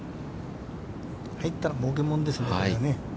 入ったらもうけもんですね。